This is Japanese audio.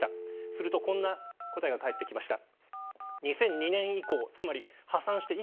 するとこんな答えが返ってきました。